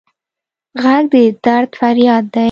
غږ د درد فریاد دی